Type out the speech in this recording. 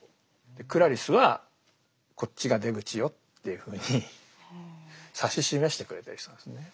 クラリスはこっちが出口よっていうふうに指し示してくれてる人なんですね。